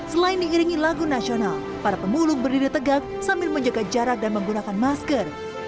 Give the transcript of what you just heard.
selain diiringi lagu nasional para pemulung berdiri tegak sambil menjaga jarak dan menggunakan masker